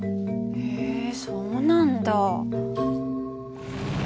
へえそうなんだ。